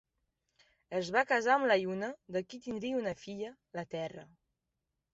Es va casar amb la Lluna, de qui tindria una filla, la Terra.